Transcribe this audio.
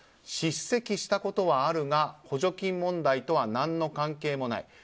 叱責したことはあるが補助金問題とは何の関係もない。